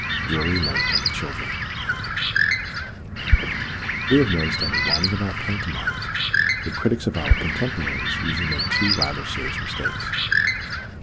DRURY LANE AND THE CHILDREN WE have noticed that in writing about panto mimes the critics of our contemporaries usually make two rather serious mistakes.